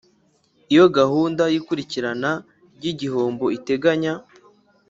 Iyo gahunda y ikurikirana ry igihombo iteganya